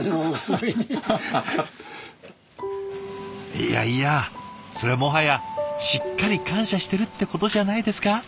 いやいやそれもはやしっかり感謝してるってことじゃないですか？